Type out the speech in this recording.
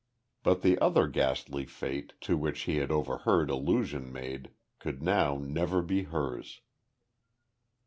But the other ghastly fate, to which he had overheard allusion made, could now never be hers.